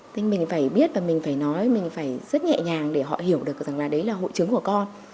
thế mình phải biết và mình phải nói mình phải rất nhẹ nhàng để họ hiểu được rằng là đấy là hội chứng của con